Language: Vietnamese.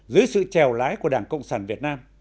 dưới sự trèo lái của đảng cộng sản việt nam